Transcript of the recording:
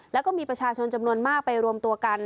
แล้วก็มีประชาชนจำนวนมากไปรวมตัวกัน